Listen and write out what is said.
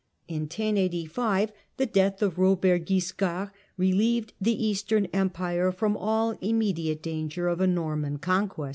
In 1085 the death of Kobert Guiscard relieved the Eastern Empire from all immediate danger of a Norman conquest.